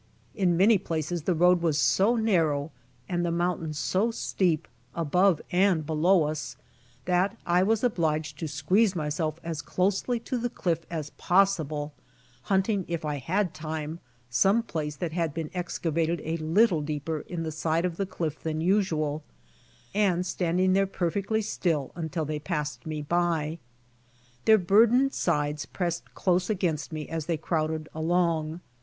In many places the road was so narrow and the mountain so steep above and below us, that I was obliged to squeeze myself as closely to the cliff as possible, hunting if I had time, some place that had been excavated a little deeper in the side of the cliff than usual, and standing there perfectly still until they passed me by. Their burdened sides pressed close against me as they crowded along.